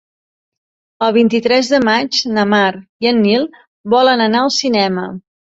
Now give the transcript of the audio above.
El vint-i-tres de maig na Mar i en Nil volen anar al cinema.